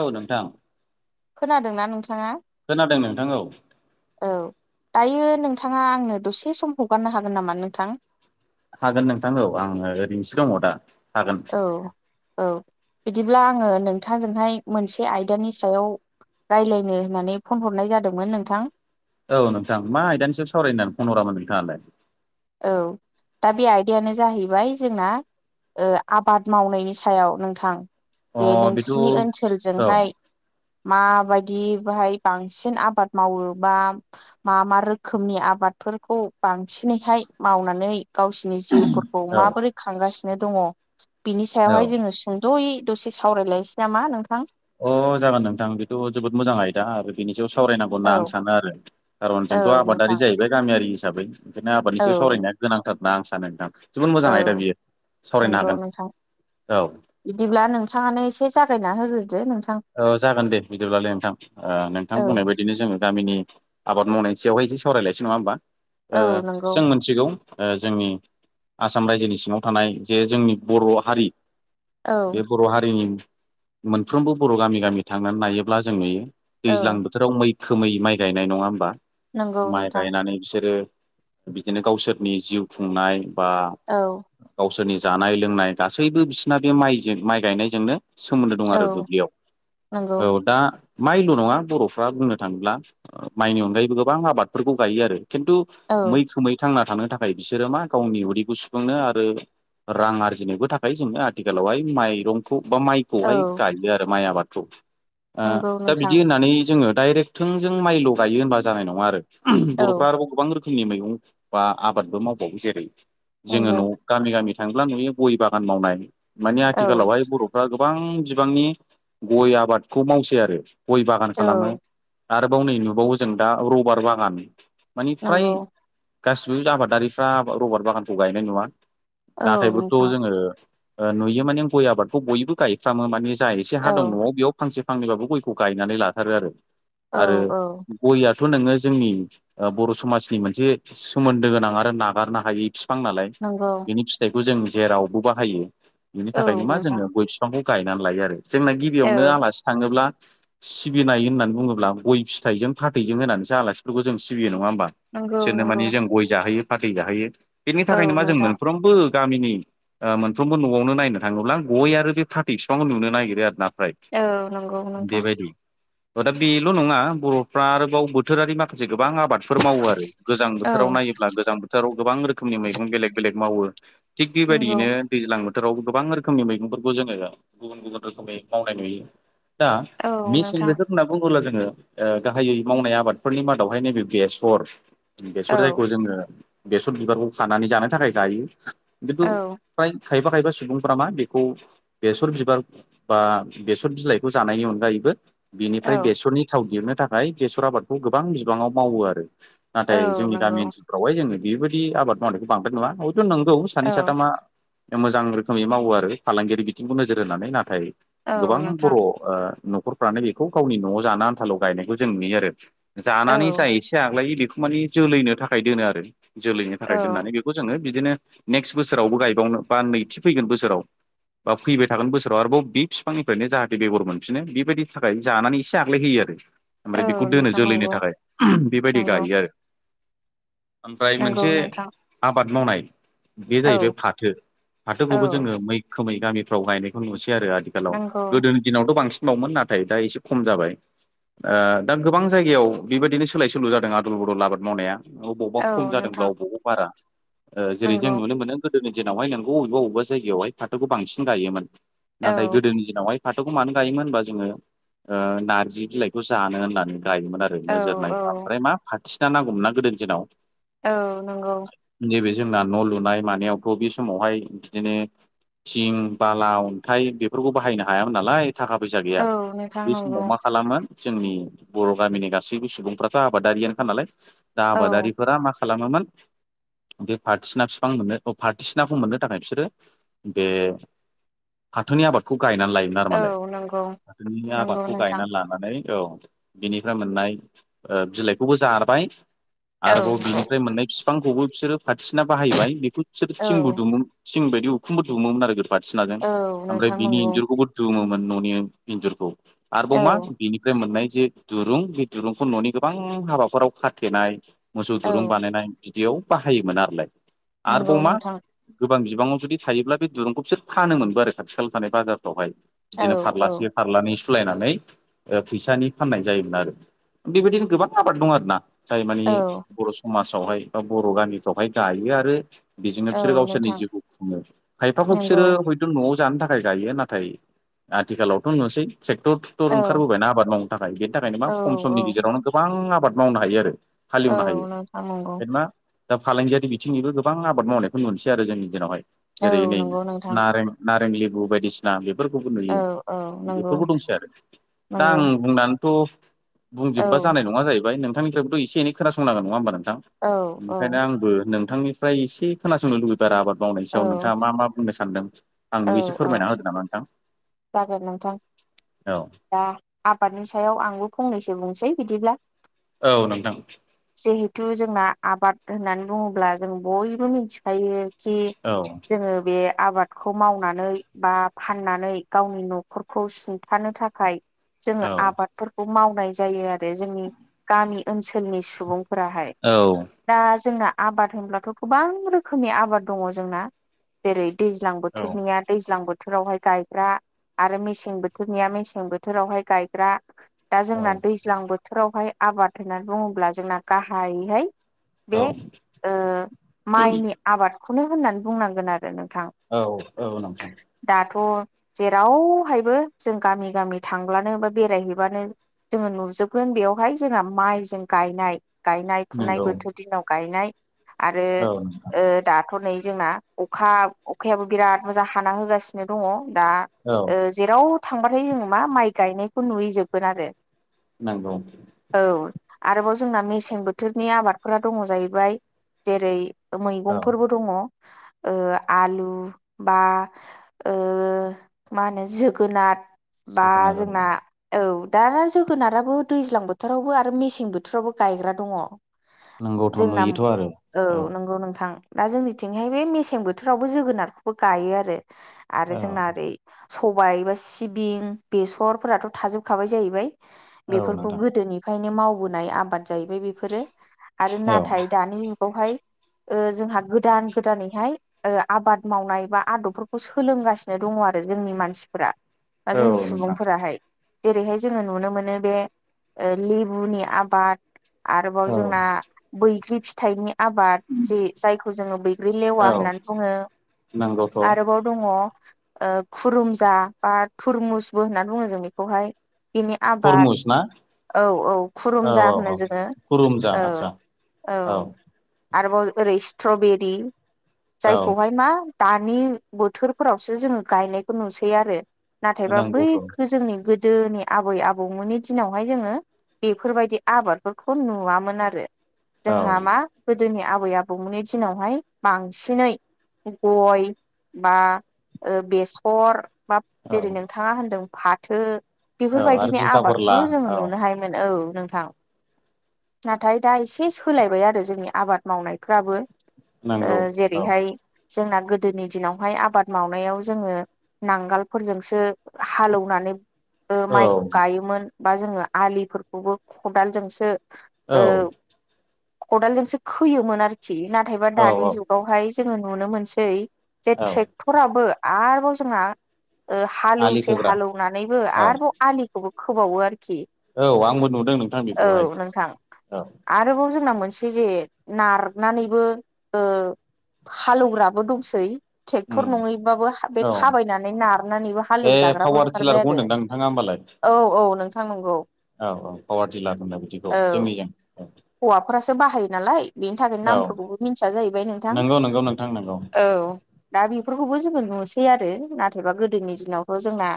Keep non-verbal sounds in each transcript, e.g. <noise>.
औ नोंथां खोनादोंना नोंथाङा? खोनादों नोंथां औ। औ दायो नोंथाङा आंनो दसे सम हगारनो हागोन नामा नोंथां? हागोन नोंथां औ आङो ओरैनोसो दङ दा हागोन। औ औ बिदिब्ला आङो नोंथांजोंहाय मोनसे आयदानि सायाव रायलायनो होननानै फन हरनाय जादोंमोन नोंथां। औ नोंथां मा आयदानि सायाव सावरायनो फन हरामोन नोंथाङालाय? औ दा बे आयदायानो जाहैबाय जोंना ओ आबाद मावनायनि सायाव नोंथां अ जे बेथ' नोंसिनि औ ओनसोलजोंहाय माबायदि बाहाय बांसिन आबाद मावो बा मा मा रोखोमनि आबादफोरखौ बांसिनैहाय मावनानै गावसोरनि जिउफोरखौ औ माबोरै खांगासिनो दङ बिनि औ सायावहाय जोङो सुं ज'यै दसे सावरायलायनोसै नामा नोंथां? अ जागोन नोंथां बेथ' जोबोद मोजाङाय दा आरो बिनि सायाव सावरायनांगौ होनना औ आं सानो आरो कारन जोंथ' औ नोंथां आबादारि जाहैबाय गामियारि हिसाबै। ओंखायनो आबादनि औ सायाव सावरायनाया गोनांथार होनना आं सानो नोंथां। जोबोद औ मोजां आयदा बियो सावरायनो नंगौ हागोन नोंथां औ। बिदिब्ला नोंथाङानो एसे जागायना होग्रोदो नोंथां। ओ जागोन दे बिदिब्लालाय नोंथां ओ नोंथां औ बुंनाय बायदि बिनो जो गामिनि आबाद मावनायनि सायावहाय एसे सावरायलायनोसै नङा होमबा ओ औ नंगौ जों मिनथिगौ ओ जोंनि आसाम रायजोनि सिङाव थानाय जे जोंनि बर' हारि औ बे बर' हारिनि मोनफ्रोमबो बर' गामि गामि थांनानै नायोब्ला जों नुयो। औ दैज्लां बोथोराव मैखोमै माइ गायनाय नङा होमबा? नंगौ माइ नोंथां गायनानै बिसोरो बिदिनो गावसोरनि जिउ खुंनाय बा औ। गावसोरनि जानाय लोंनाय गासैबो बिसोरना बे माइजों माइ गायनायजोंनो सोमोन्दो दं आरो औ दुब्लियाव। नंगौ औ दा माइल' नङा बर'फ्रा बुंनो थाङोब्ला माइनि अनगायैबो गोबां आबादफोरखौ गायो आरो खिन्थु औ मैखोमै थांना थानो थाखाय बिसोरो मा गावनि उदैखौ सफुंनो आरो रां आरजिनोबो थाखाय जोंनो आथिखालावहाय माइरंखौ बा माइ खौहाय औ गायो आरो माइ आबादखौ ओ नंगौ दा नोंथां बिदि होननानै जोङो डाइरेक्ट थोंजों माइल' गायो होनबा जानाय नङा आरो औ बर'फ्रा आरोबाउ गोबां रोखोमनि मैगं बा आबादबो मावबावो जेरै जोङो नंगौ न' गामि गामि थाङोब्ला नुयो गय बागान मावनाय माने औ आथिखालावहाय बर'फ्रा गोबां बिबांनि गय आबादखौ मावसै आरो गय बागान खालामो। औ आरोबाव नै नुबावो जों दा रबार बागान मानि फ्राय नंगौ गासिबो आबादारिफ्रा रबार बागानखौ गायनाय नुवा औ नाथायबोथ' नोंथां जोङो ओ नुयो माने गय आबादखौ बयबो गायफ्रामो माने जा एसे औ हा दं न'आव बेयाव फांसे फांनैबाबो गयखौ गायनानै लाथारो आरो औ आरो औ गययाथ' नोङो जोंनि ओ बर' समाजनि मोनसे सोमोन्दो गोनां आरो नागारनो हायि फां नालाय नंगौ बिनि फिथाइखौ जों जेरावबो बाहायो बिनि औ थाखायनो मा नोंथां जोङो गय फि बिफांखौ गायनानै लायो। आरो जोंना औ गिबियावनो आलासि थाङोब्ला सिबिनाय होननानै बुङोब्ला गय फिथाइजों फाथैजों होनानैसो आलासिफोरखौ जों सिबियो नङा होमबा? नंगौ सोरनो नंगौ माने जों गय जाहोयो फाथै जाहोयो बेनि औ थाखायनो मा जों नोंथां मोनफ्रोम बो गामिनि ओ मोनफ्रोमबो न'आवनो नायनो थाङोब्ला गय आरो बे फाथै बिफांखौ नुनो नागिरो। बिराद ना फ्राइ औ नंगौ नोंथां बेबायदि। ओ दा बेल' नङा बर'फ्रा आरोबाव बोथोरारि माखासे गोबां आबाद मावो आरो गोजां बोथोराव औ नायोब्ला गोजां बोथोराव गोबां रोखोमनि मैगं बेलेग बेलेग मावो। थिग नंगौ बेबायदियैनो दैज्लां बोथोराव गोबां रोखोमनि मैगंफोरखौ जोङो गुबुन गुबुन रोखोमै मावनाय नुयो। दा औ मेसें नोंथां बोथोर होनना बुङोब्ला जोङो ओ गाहायै मावनाय आबादफोरनि मादावहाय नैबे बेसर औ बेसर जायखौ जोङो बेसर बिबारखौ खानानै जानो थाखाय गायो खिन्थु औ फ्राय खायबा खायबा सुबुंफोरा मा बेखौ बेसर बिबार बा बेसर बिलाइखौ जानायनि अनगायैबो बिनिफ्राय औ बेसरनि थाव दिहुननो थाखाय बेसर आबादखौ गोबां बिबाङाव मावो आरो नाथाय औ जोंनि नंगौ गामि ओनसोलाव हाय जोङो बेबायदि आबाद मावनायखौ बांद्राय नङा हयथ' नंगौ औ सानै साथामा मोजां रोखोमै मावो आरो फालांगियारि बिथिंखौ नोजोर होनानै नाथाय औ गोबां बर' नोंथां ओ न'खरफ्रानो बेखौ गावनि न'आव जानो आनथाल' गायनायखौ जों नुयो। आरो औ जानानै जा एसे आग्लायो बेखौ माने जोलैनो थाखाय दोनो आरो जोलैनो औ थाखाय दोननानै बे खौ जोङो बिदिनो नेक्स्ट बोसोरावबो गायबावनो बा नैथि फैगोन बोसोराव बा फैबाय थागोन बोसोराव आरोबाव बि फिफांनिफ्रायनो जाहाथे बेगर मोनफिनो बेबायदि थाखाय जानानै एसे आग्लाय होयो। आरो औ ओमफ्राय बेखौ दोनो नोंथां जोलैनि नंगौ थाखाय बेबायदि नंगौ जायो। आरो ओमफ्राय नंगौ मोनसे नोंथां आबाद मावनाय बे औ जाहैबाय फाथो फाथोखौबो औ जोङो मैखोमै गामिफ्राव गायनायखौ नुसै आरो आ थिखालाव नंगौ गोदोनि दिनावथ' बांसिनबावमोन नाथाय दा एसे खम जाबाय ओ दा गोबां जायगायाव बेबायदिनो सोलाय सोल' जादों आदल बदल आबाद मावनाया अबावबा औ खम जादोंब्ला नोंथां अबावबा बारा ओ जेरै जों नंगौ नुनो मोनो गोदोनि दिनावहाय नोंगौ अबेबा अबेबा जायगायावहाय फाथोखौ बांसिन गायोमोन औ नाथाय गोदोनि दिनावहाय फाथोखौ मानो गायोमोन होनबा जोङो ओ नारजि बिलाइखौ जानो होननानै गायोमोन आरो। औ नोजोर नायबा औ ओमफ्राय मा फाथिसिना नांगौमोन ना गोदोनि दिनाव। औ नंगौ। नैबे जोंना न' लुनाय मानायावथ' बे समावहाय बिदिनो थिं बाला अन्थाइ बेफोरखौ बाहायनो हायामोन नालाय थाखा फैसा गैया औ नोंथां बे समाव नंगौ मा खालामो जोंनि बर' गामिनि गासैबो सुबुंफ्राथ' आबादारियानोखा नालाय। दा औ आबादारिफोरा मा खालामोमोन बे फाथिसिना बिफां मोननो फाथिसिनाखौ मोननो थाखाय बिसोरो बे फाथोनि आबादखौ गायनानै लायोमोन आरो औ मालाय नंगौ फाथोनि नंगौ आबादखौ नोंथां गायनानै लानो माने औ बिनिफ्राय मोननाय ओ बिलाइखौबो जाबाय औ आरोबाव बिनि फ्राय मोननाय बिफांखौबो बिसोरो फाथिसिना बाहायबाय बेखौ बिसोर औ थिंबो दुमो थिं बायदि उखुमफोर दुमोमोन आरो गोदो फाथिनाजों औ ओमफ्राय नोंथां नंगौ <unintelligible> दुमोमोन न'नि इन्जुरखौ आरोबाव औ मा बेनिफ्राय मोननाय जे दुरुं बे दिरुंखौ न'नि गोबां हाबाफोराव खाथेनाय मोसौ औ दुरुं बानायनाय बिदियाव बाहायोमोन आरोलाय नंगौ आरोबाव मा नोंथां गोबां बिबाङाव जुदि थायोब्ला बे दुरुंखौ बिसोर फानो मोनबो आरो खाथि खाला थानाय बाजारफ्रावहाय। औ बिदिनो औ फारलासे फारलाानै सुलायनानै ओ फैसानि फाननाय जायोमोन आरो। बेबायदिनो गोबां आबाद दं आरो ना। जाय मानि औ बर' समाजावहाय बा बर' गामिफ्रावहाय दायो आरो बेजोंनो औ बिसोरो गावसोरनि नोंथां जिउखौ खुङो खायफाखौ नंगौ बिसोरो हयथ' न'आव जानो थाख थाखाय गायो नाथाय आथिखालावथ' नुसै ट्रेक्टर थटुक्टर औ ओंखारबोबायना आबाद मावनो। थाखाय बेनि थाखायनो मा औ खम समनि औ गेजेरावनो गोबां आबाद मावनो हायो आरो। औ हालिवनो हायो नोंथां नंगौ ओखायनोमा दा फालांगियारि बिथिंनिबो गोबां आबाद मावनायखौ नुनसै आरो जोंनि दिनावहाय औ जेरै नै नंगौ नोंथां नारें नारें लिबु बायदिसिन ना बेफोरखौबो औ नुयो औ नंगौ बेफोरबो दंसै आरो। दा नंगौ आं बुंनानथ' औ बुंजोब्बा जानाय नङा जाहैबाय नोंथांनिफ्रायबोथ' एनै खोनासंनांगोन नङा होमबा नोंथां। औ औ ओंखायनो आंबो नोंथांनिफ्राय एसे खोनासंनो लुबैबाय आरो आबाद मावनायनि औ सायाव नोंथाङा मा मा बुंनो सानदों औ आंनो एसे औ फोरमायना होदो नामा नोंथां। जागोन नोंथां औ दा आबादनि सायाव आंबो फंनैसो बुंसै बिदिब्ला औ नोंथां। जिहेथु जोंना आबाद होननानै बुङोब्ला जों बयबो मिनथिखायो। खि औ जोङो बे आबादखौ मावनानै बा फाननानै गावनि न'खरखौ सुंथानो थाखाय जोङो औ आबादफोर खौ मावनाय जायो आरो जोंनि गामि ओनसोलनि सुबुंफोराहाय। औ। दा जोंना आबाद होनब्लाथ' गोबां रोखोमनि आबाद दङ जोंना। जेरै दैज्लां बोथोरनिया दैज्लां बोथोरावहाय गायग्रा। आरो मेसें बोथोरनिया मेसें बोथोरावहाय गायग्रा दा औ जोंना दै ज्लां बोथोरावहाय आबाद होननानै बुङोब्ला जोंना गाहायैहाय बे औ ओ माइनि आबादखौनो होननानै बुंनांगोन आरो नोंथां। औ औ नोंथां। दाथ' जेरावहायबो जों गामि गामि थांब्लानो बा बेरायहैबानो जोङो नुजोबगोन बेवहाय जोंना माइजों गायनाय। गायनाय फुनाय नंगौ बोथोर दिनाव गायनाय आरो औ ओ दाथ' नै जोंना अखा अखायाबो बिराद मोजां हाना होगासिनो दङ दा औ ओ जेराव थांबाथाय जों मा माइ गायनायखौ नुहै जोबगोन आरो। नोंगौ। औ आरोबाव जोंना मेसें बोथोरनि आबादफोरा दङ जाहैबाय जेरै औ मैगंफोरबो दङ आलु बा ओ मा होनो जोगोनार बा जोगोनार आरो जोंना औ दा जोगोनाराबो दैज्लां बोथोरावबो आरो मेसें बोथोरावबो गायग्रा दङ नोंगौथ' जोंना नुयोथ' आरो औ नंगौ नोंथां दा जोंनिथिंहाय बे मेसें बोथोरावबो जोगोनारखौबो गायो आरो औ आरो जोंना ओरै सबाय बा सिबिं बेसरफोराथ' थाजोबखाबाय जाहैबाय औ बेफोरखौ नोंथां गोदोनिफ्रायनो मावबोनाय आबाद जाहैबाय बे बेफोरो आरो औ नाथाय दानि जुगावहाय ओ जोंहा गोदान गोदानैहाय ओ आबाद मावनाय बा आदबफोरखौ सोलोंगासिनो दङ आरो जोंनि मानसिफोरा बा औ जोंनि नोंथां सुबुंफोराहाय। जेरैहाय जोङो नुनो मोनो बे ओ लिबुनि आबाद। आरोबाव औ जोंना बैग्रि फिथाइनि आबाद जि जायखौ जोङो बैग्रि लेवा औ होननानै बुङो। नंगौथ' आरोबाव दङ ओ खुरुमजा बा थुरमुसबो होननानै बुङो जों बेखौहाय। बिनि आबाद तरमुस ना औ औ औ खुरुमजा औ होनो औ जोङो खुरुमजा औ। आदसा औ आरोबाव ओरै स्ट्रबेरि औ जायखौहाय मा दानि बोथोरफोरावसो जोङो गायनायखौ नुसै आरो। नाथायबा नंगौथ' बैखौ जोंनि गोदोनि आबै आबौमोननि दिनावहाय जोङो बेफोरबायदि आबादफोरखौ नुवामोन आरो औ औ जोंहा मा गोदोनि आबै आबौमोननि दिनावहाय बांसिनै गय बा बेसर बा जेरै औ नोंथाङा होनदों फाथो आरो बेफोरबायदिनि जिंखा फोरला आबादखौल' जोंङो औ नुनो हायोमोन औ नोंथां नाथाय दा एसे सोलायबाय आरो जोंनि आबाद मावनायफ्राबो ओ नंगौ औ जेरैहाय जोंना गोदोनि दिनावहाय आबाद माव नायाव जोङो नांगालफोरजोंसो हालौनानै ओ औ माइखौ गायोमोन बा जोङो आलिफोरखौबो खदालजोंसो औ खदालजोंसो खोयोमोन आरोखि नाथायबा औ दानि जुगाव ओमफाय जोङो नुनो मोनसै जे औ ट्रेक्टराबो आरोबाव जोंहा ओ आलि हालौवसे खोग्रा हालौवनानैबो औ आरोबाव आलिखौबो खोबावो आरोखि औ आंबो नुदों नोंथां औ बेखौहाय नोंथां औ आरोबाव जोंना मोनसे जे नारनानैबो ओ हालौवग्राबो दंसै ट्रेक्टर उम नङै हबाबो बे औ थाबायनानै नारनानैबो ए हालेवजाग्राबो पावार ओंखारबाय टिलारखौ आरो होनदोंदां नोंथाङा होमबालाय औ औ नोंथां नंगौ औ औ पावार डिलार होनो बिदिखौ औ जोंनिजों औ हौवाफोरासो बाहायो नालाय बेनि थाखायनो औ नामफोरखौबो मिथिया जाहैबाय नोंथां नंगौ नंगौ नोंथां नंगौ औ दा बेफोरखौबो जोङो नुसै आरो नाथायबा गोदोनि दिनावथ' जोंना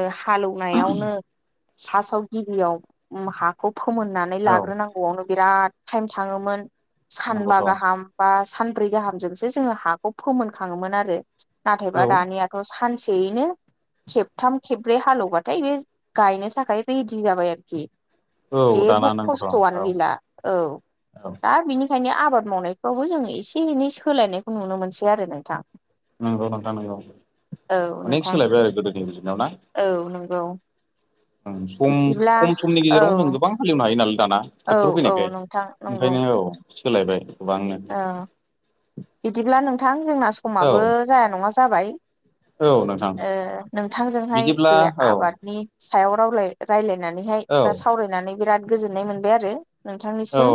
ओ हालेवनायावनो फार्स्टआव गिबियाव ओम हाखौ फोमोननानै औ लाग्रोनांगौआवनो बिराद टाइम थाङोमोन सानबा नंगौथ' गाहाम बा सानब्रै गाहामजोंसो जोङो हाखौ फोमोन खाङोमोन आरो औ नाथायबा दानियाथ' सानसेयैनो खेबथाम खेब्रै हालेवबाथाय बे गायनो थाखाय रेडि जाबाय आरोखि औ जेबो दाना नांगौ र <unintelligible> औ दा बिनिखायनो आबाद मावनायफ्रावबो जों एसे एनै सोलायनायखौ नुनो मोनसै आरो नोंथां नंगौ नोंथां नंगौ औ अनेक नोंथां सोलायबाय आरो गोदोनि <unintelligible> ना औ नंगौ सम बिदिब्ला खम समनि औ गेजेराव जों गोबां हालेवनो हायो नालाय दाना औ ट्रेक्टर औ फैनायखाय नोंथां नंगौ ओंखायनो औ सोलायबाय गोबांनो औ बिदिब्ला नोंथां जोंना औ समाबो जाया नङा जाबाय औ नोंथां ओ नोंथांजोंहाय बिदिब्ला जे औ आबादनि सायाव रावलाय रायलायनानैहाय औ बा सावरायनानै बिराद गोजोननाय मोनबाय आरो औ नोंथांनिसिम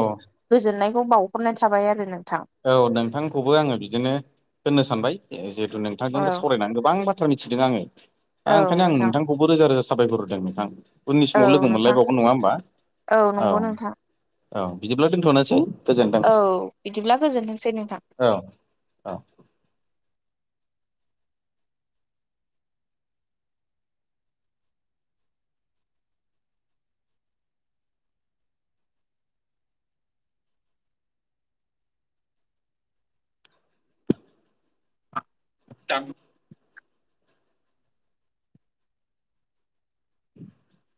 गोजोननायखौ बावहरनाय थाबाय आरो नोंथां औ नोंथांखौबो आङो बिदिनो होननो सानबाय जिहेथु औ नोंथांजों सावरायनानै गोबां बाथ्रा मिथिदों आंङो दा औ ओंखायनो आं नोंथां नोंथांखौबो रोजा रोजा साबायखहोदों नोंथां उननि औ समाव लोगो नोंथां मोनलायबावगोन नङा होमबा औ नंगौ नोंथां औ बिदिब्ला दोनथ'नोसै गोजोन्थों औ बिदिब्ला गोजोनथोंसै नोंथां औ दां <inaudible>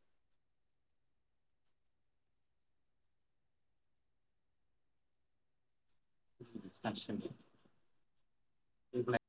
<unintelligible> <unintelligible>